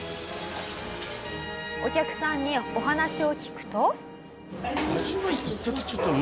お客さんにお話を聞くと。